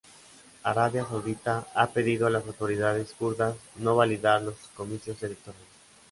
Arabia Saudita ha pedido a las autoridades kurdas no validar los comicios electorales.